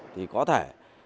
thì có thể